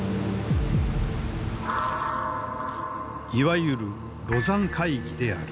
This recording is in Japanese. いわゆる廬山会議である。